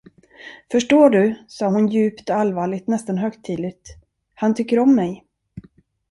Förstår du, sade hon djupt allvarligt, nästan högtidligt, han tycker om mig.